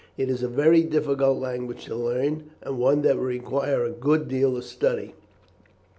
It is a very difficult language to learn, and one that would require a good deal of study.